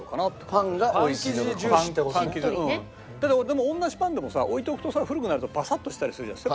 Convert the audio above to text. でも同じパンでもさ置いておくとさ古くなるとパサッとしたりするじゃない。